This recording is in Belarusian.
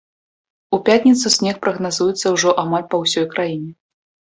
У пятніцу снег прагназуецца ўжо амаль па ўсёй краіне.